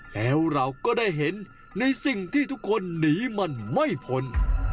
แล้วเราก็ได้เห็นในสิ่งที่ทุกคนหนีมันไม่พ้น